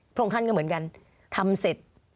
พระองค์ท่านก็เหมือนกันทำเสร็จ